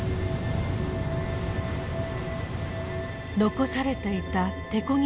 残されていた手こぎ